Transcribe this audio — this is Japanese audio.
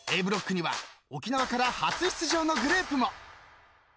［Ａブロックには沖縄から初出場のグループも］